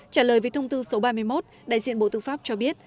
trả lời về thông tư số ba mươi một đại diện bộ tư pháp cho biết